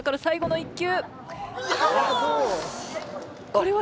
これは。